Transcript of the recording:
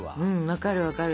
分かる分かる。